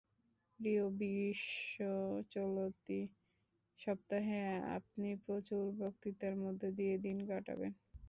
প্রিয় বৃষ, চলতি সপ্তাহে আপনি প্রচুর ব্যস্ততার মধ্য দিয়ে দিন কাটাবেন।